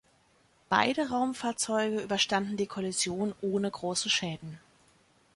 Beide Raumfahrzeuge überstanden die Kollision ohne große Schäden.